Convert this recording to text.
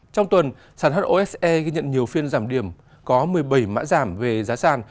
trong tuần sản hose ghi nhận nhiều phiên giảm điểm có một mươi bảy mã giảm về giá sàn